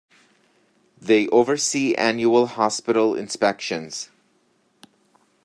They oversee annual hospital inspections.